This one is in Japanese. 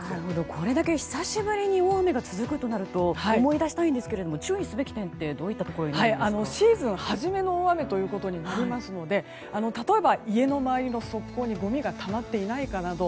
これだけ久しぶりに大雨が続くとなると思い出したいんですが注意すべき点はシーズン初めの大雨となりますので例えば、家の周りの側溝にごみがたまっていないかなど